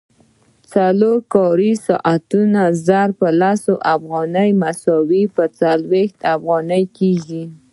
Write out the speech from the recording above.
څلور کاري ساعتونه ضرب په لس افغانۍ مساوي څلوېښت افغانۍ کېږي